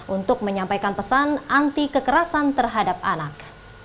untuk menyampaikan pesan anti kekerasan terhadap anak